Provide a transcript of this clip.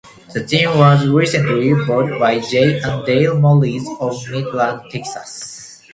The team was recently bought by Jay and Dale Morris of Midland, Texas.